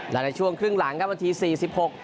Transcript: และในช่วงครึ่งหลังครับนาทีสี่สิบหก